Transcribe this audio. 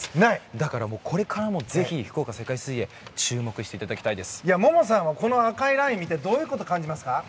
だから、これからもぜひ福岡世界水泳萌々さんはこの赤いラインを見てどういうことを感じますか？